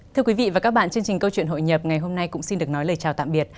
thưa quý vị và các bạn chương trình câu chuyện hội nhập ngày hôm nay cũng xin được nói lời chào tạm biệt